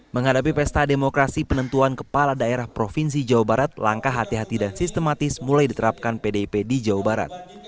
menghadapi pesta demokrasi penentuan kepala daerah provinsi jawa barat langkah hati hati dan sistematis mulai diterapkan pdip di jawa barat